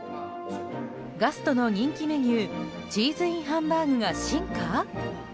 ガストの人気メニューチーズＩＮハンバーグが進化？